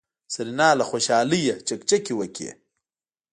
سېرېنا له خوشحالۍ نه چکچکې وکړې.